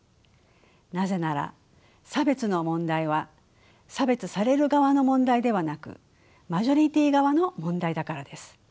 なぜなら差別の問題は差別される側の問題ではなくマジョリティー側の問題だからです。